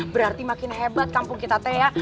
berarti makin hebat kampung kita teh ya